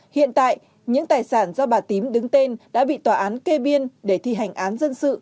hiện tại những tài sản do bà tím đứng tên đã bị tòa án kê biên để thi hành án dân sự